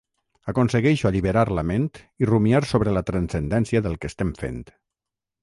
Aconsegueixo alliberar la ment i rumiar sobre la transcendència del que estem fent.